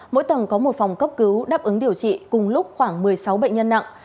mỗi tầng có một phòng cấp cứu đáp ứng điều trị cùng lúc khoảng một mươi sáu bệnh nhân nặng